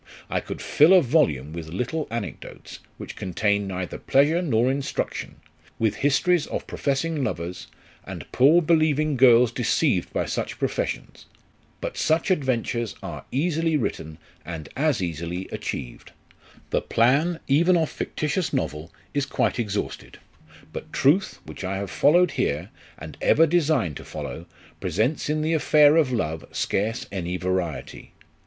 I could fill a volume with little anecdotes, which contain neither pleasure nor instruction ; with histories of professing lovers, aiid poor believing girls deceived by such professions. But such adventures are easily written, and as easily achieved. The plan even of fictitious novel LIFE OF RICHARD NASH. ' 69 is quite exhausted ; but truth, which I have followed here, and ever design to follow, presents in the affair of love scarce any variety.